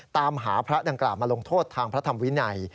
ตามหาพระดังกล่าวมาลงโทษทางพระธรรมวินัย